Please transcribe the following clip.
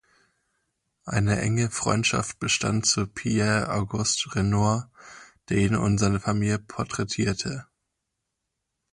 Eine enge Freundschaft bestand zu Pierre-Auguste Renoir, der ihn und seine Familie porträtierte.